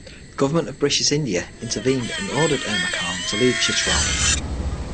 The Government of British India intervened and ordered Umra Khan to leave Chitral.